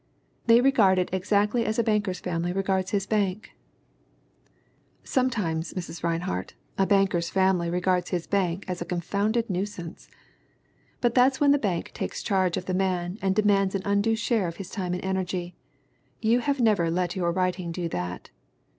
They regard it exactly as a banker's family regards his bank." Sometimes, Mrs. Rinehart, a banker's family regards his bank as a confounded nuisance! But that's when the bank takes charge of the man and demands an undue share of his time and energy. You have never let your writing do that.